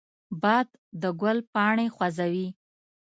باد د ګل پاڼې خوځوي